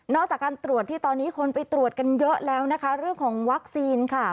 จากการตรวจที่ตอนนี้คนไปตรวจกันเยอะแล้วนะคะเรื่องของวัคซีนค่ะ